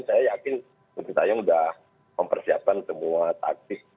saya yakin sintayong sudah mempersiapkan semua taktik